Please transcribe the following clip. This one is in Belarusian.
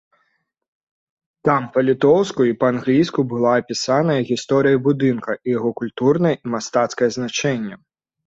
Там па-літоўску і па-англійску была апісаная гісторыя будынка і яго культурнае і мастацкае значэнне.